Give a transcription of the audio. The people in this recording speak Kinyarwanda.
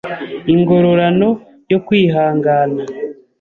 Ingororano yo Kwihangana